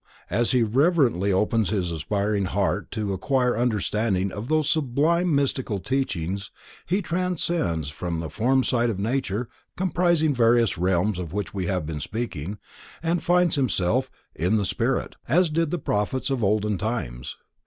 As he reverently opens his aspiring heart to acquire understanding of those sublime mystical teachings he transcends the form side of nature, comprising various realms of which we have been speaking, and finds himself "in the spirit," as did the prophets in olden times.